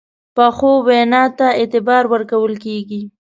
پخو وینا ته اعتبار ورکول کېږي